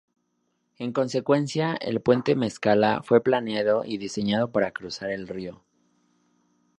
En consecuencia, el puente Mezcala fue planeado y diseñado para cruzar el río.